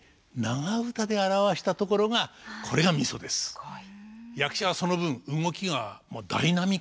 すごい。